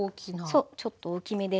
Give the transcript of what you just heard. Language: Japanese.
そうちょっと大きめです。